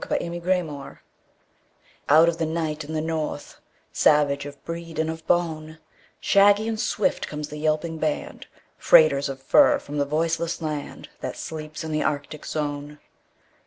THE TRAIN DOGS Out of the night and the north; Savage of breed and of bone, Shaggy and swift comes the yelping band, Freighters of fur from the voiceless land That sleeps in the Arctic zone.